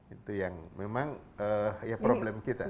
itu yang memang ya problem kita